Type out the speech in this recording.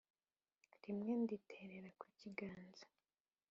rimwe nditerera ku kiganza,